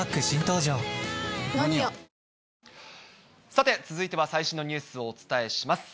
さて、続いては最新のニュースをお伝えします。